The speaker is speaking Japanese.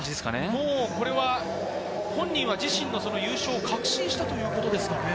もうこれは本人は自身の優勝を確信したということですかね？